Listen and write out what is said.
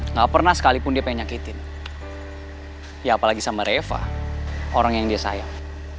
nggak pernah sekalipun dia pengen nyakitin ya apalagi sama reva orang yang dia sayang